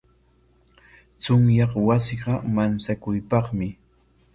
Chunyaq wasiqa manchakuypaqmi.